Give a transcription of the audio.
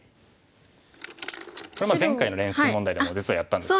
前回の練習問題でも実はやったんですよね。